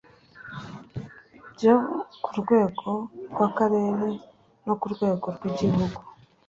byo ku rwego rw akarere no ku rwego rw’igihugu